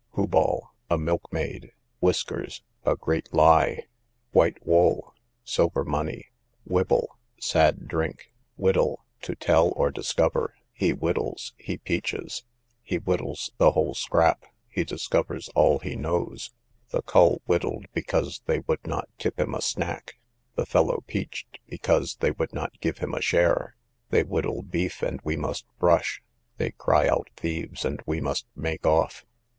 Whoball, a milkmaid. Whisker, a great lie. White wool, silver money. Whibble, sad drink. Whiddle, to tell or discover: he whiddles, he peaches: he whiddles the whole scrap, he discovers all he knows: the cull whiddled because they would not tip him a snack, the fellow peached because they would not give him a share: they whiddle beef and we must brush, they cry out thieves and we must make off.